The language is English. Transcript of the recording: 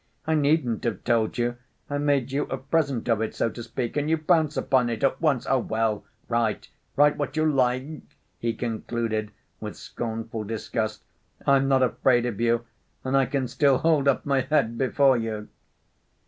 I needn't have told you. I made you a present of it, so to speak, and you pounce upon it at once. Oh, well, write—write what you like," he concluded, with scornful disgust. "I'm not afraid of you and I can still hold up my head before you."